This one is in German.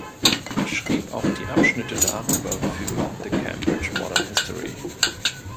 Er schrieb auch die Abschnitte darüber für die The Cambridge Modern History.